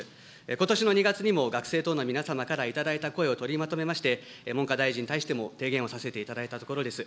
ことしの２月にも学生等の皆様から頂いた声を取りまとめまして、文科大臣に対しても提言をさせていただいたところです。